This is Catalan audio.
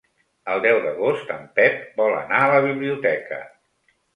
El deu d'agost en Pep vol anar a la biblioteca.